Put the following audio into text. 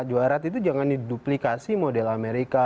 jawa barat itu jangan diduplikasi model amerika